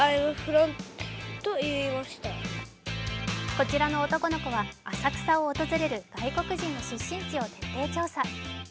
こちらの男の子は浅草を訪れる外国人の出身地を徹底調査。